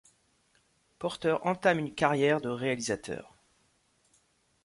Porter entame une carrière de réalisateur.